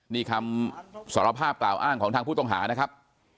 นี่คำสารภาพกล่าวอ้างของทางผู้ต้องหานะครับ